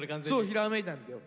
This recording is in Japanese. ひらめいたんだよ。